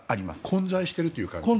混在しているという感じですか？